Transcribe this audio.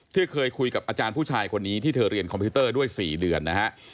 ที่เคยคุยกับอาจารย์ผู้ชายคนนี้ที่เธอเรียนคอมพิวเตอร์ด้วย๔เดือนนะฮะ